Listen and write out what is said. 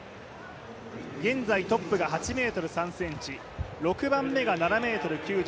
現在トップが８ｍ３ｃｍ６番目が７ｍ９３。